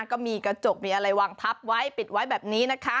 ก็มีกระจกมีอะไรวางทับไว้ปิดไว้แบบนี้นะคะ